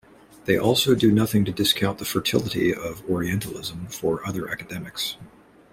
They also do nothing to discount the fertility of "Orientalism" for other academics.